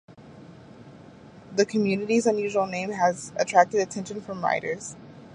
The community's unusual name has attracted attention from writers.